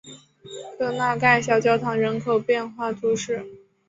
戈纳盖小教堂人口变化图示